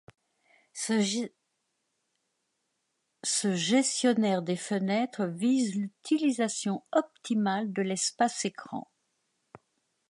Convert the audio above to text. Ces gestionnaires de fenêtres visent l'utilisation optimale de l'espace écran.